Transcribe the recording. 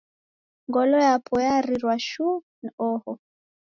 Ngolo yapo yarirwa shuu n'oho